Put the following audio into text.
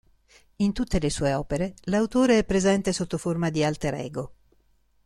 In tutte le sue opere l'autore è presente sotto forma di "alter ego".